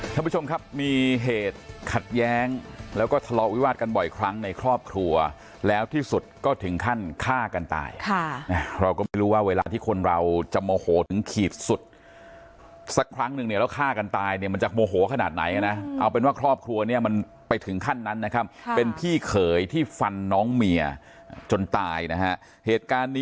ท่านผู้ชมครับมีเหตุขัดแย้งแล้วก็ทะเลาะวิวาสกันบ่อยครั้งในครอบครัวแล้วที่สุดก็ถึงขั้นฆ่ากันตายค่ะนะเราก็ไม่รู้ว่าเวลาที่คนเราจะโมโหถึงขีดสุดสักครั้งนึงเนี่ยแล้วฆ่ากันตายเนี่ยมันจะโมโหขนาดไหนนะเอาเป็นว่าครอบครัวเนี่ยมันไปถึงขั้นนั้นนะครับเป็นพี่เขยที่ฟันน้องเมียจนตายนะฮะเหตุการณ์นี้